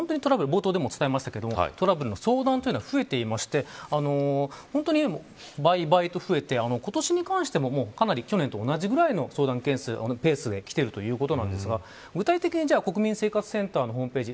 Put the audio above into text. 冒頭でもお伝えしましたけどトラブルの相談が増えていまして本当に倍々と増えて今年に関しても去年と同じぐらいの相談件数、ペースで来ているということなんですが、具体的に国民生活センターのホームページ